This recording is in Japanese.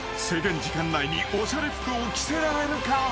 ［制限時間内におしゃれ服を着せられるか？］